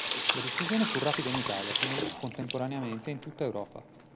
La diffusione fu rapida in Italia come lo fu contemporaneamente in tutta Europa.